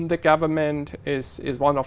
tôi rất vui khi ở đây